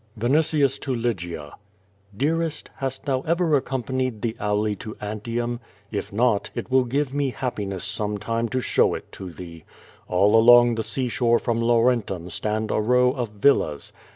Vinitius to Lygia: Dearest, hast thou ever accompanied the Auli to Antium? If not, it will give me happiness some time to show it to thee. All along the seashore from Laurentum stand a row of villas.